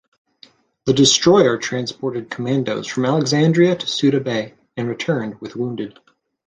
The destroyer transported commandos from Alexandria to Suda Bay, and returned with wounded.